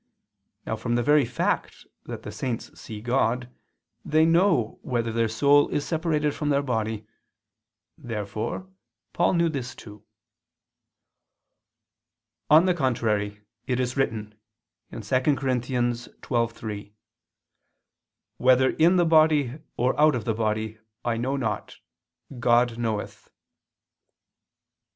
Now from the very fact that the saints see God, they know whether their soul is separated from their body. Therefore Paul too knew this. On the contrary, It is written (2 Cor. 12:3): "Whether in the body, or out of the body, I know not, God knoweth."